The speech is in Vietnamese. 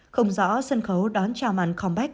không rõ sân khấu đón chào mặt comeback